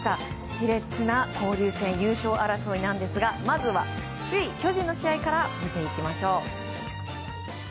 熾烈な交流戦優勝争いなんですがまずは首位、巨人の試合から見ていきましょう。